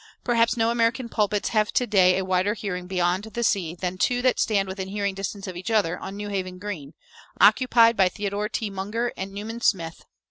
Perhaps no American pulpits have to day a wider hearing beyond the sea than two that stand within hearing distance of each other on New Haven Green, occupied by Theodore T. Munger and Newman Smyth.